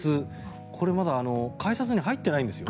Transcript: これ、まだ改札に入ってないんですよ。